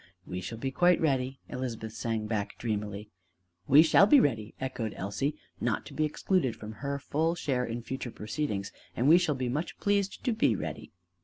"We shall be quite ready," Elizabeth sang back dreamily. "We shall be ready," echoed Elsie, not to be excluded from her full share in future proceedings, "and we shall be much pleased to be ready!"